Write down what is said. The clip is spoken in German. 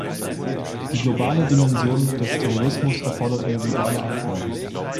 Die globale Dimension des Terrorismus erfordert eine globale Antwort.